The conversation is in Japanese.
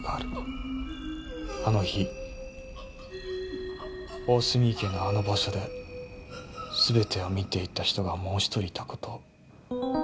あの日大澄池のあの場所で全てを見ていた人がもう１人いた事を。